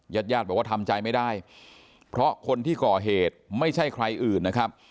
ญาติญาติบอกว่าทำใจไม่ได้เพราะคนที่ก่อเหตุไม่ใช่ใครอื่นนะครับ